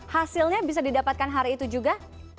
hasilnya bisa didapatkan hari itu juga